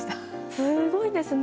すごいですね。